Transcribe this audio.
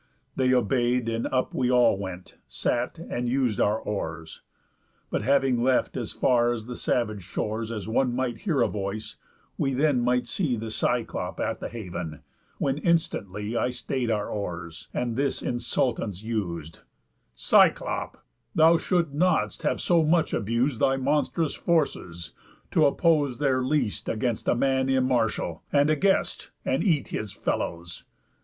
They obey'd, And up we all went, sat, and us'd our oars. But having left as far the savage shores As one might hear a voice, we then might see The Cyclop at the haven; when instantly I stay'd our oars, and this insultance us'd: ῾Cyclop! thou shouldst not have so much abus'd Thy monstrous forces, to oppose their least Against a man immartial, and a guest, And eat his fellows.